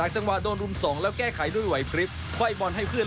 สวัสดีครับ